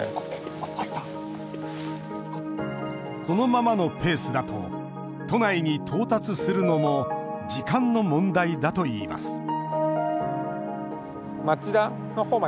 このままのペースだと都内に到達するのも時間の問題だといいます